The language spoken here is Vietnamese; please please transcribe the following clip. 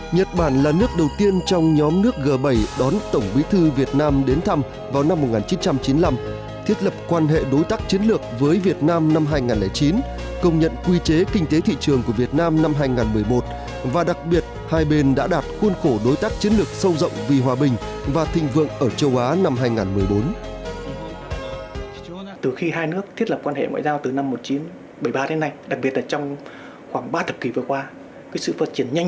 nhật bản là nước đầu tiên trong nhóm nước g bảy đón tổng quý thư việt nam đến thăm vào năm một nghìn chín trăm chín mươi năm thiết lập quan hệ đối tác chiến lược với việt nam năm hai nghìn chín công nhận quy chế kinh tế thị trường của việt nam năm hai nghìn một mươi một và đặc biệt hai bên đã đạt khuôn khổ đối tác chiến lược sâu rộng vì hòa bình và thịnh vượng ở châu á năm hai nghìn một mươi bốn